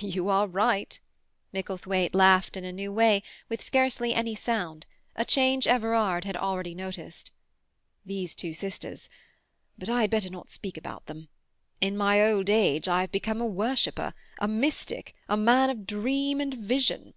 "You are right." Micklethwaite laughed in a new way, with scarcely any sound; a change Everard had already noticed. "These two sisters—but I had better not speak about them. In my old age I have become a worshipper, a mystic, a man of dream and vision."